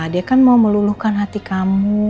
dia kan mau meluluhkan hati kamu